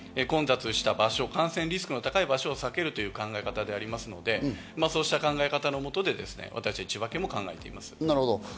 混雑した場所、感染リスクの高い場所を避けるという考え方でありますので、そうした考え方のもとで私達、千葉県も考えております。